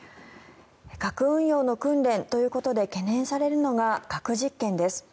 核運用の訓練ということで懸念されるのが核実験です。